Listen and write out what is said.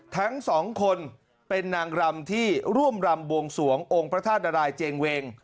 ทั้งสองคนเป็นนางรำที่ร่วมรำบวงสวงองค์พระธาตุดรายเจงเวง